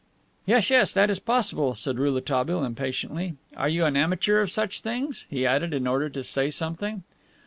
"Yes, yes, that is possible," said Rouletabille, impatiently. "Are you an amateur of such things?" he added, in order to say something.